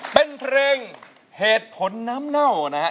เป็นเพลงเหตุผลน้ำเน่านะฮะ